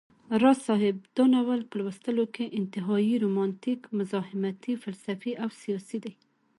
راز صاحب دا ناول په لوستلو کي انتهائى رومانتيک، مزاحمتى، فلسفى او سياسى دى